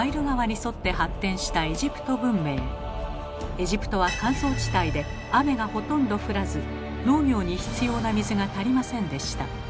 エジプトは乾燥地帯で雨がほとんど降らず農業に必要な水が足りませんでした。